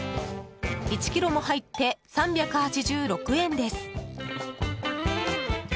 １ｋｇも入って３８６円です。